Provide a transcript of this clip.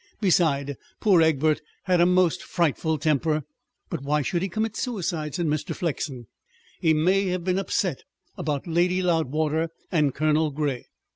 Besides, poor Egbert had a most frightful temper." "But why should he commit suicide?" said Mr. Flexen. "He may have been upset about Lady Loudwater and Colonel Grey.